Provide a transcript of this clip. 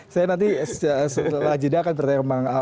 saya nanti setelah ajedah akan bertanya ke bang alman